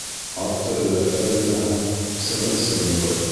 Атты өйрәтә белмәһәң, сығынсы булыр.